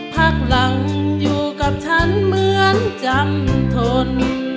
พักหลังอยู่กับฉันเหมือนจำทน